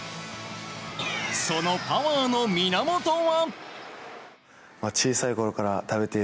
そのパワーの源は？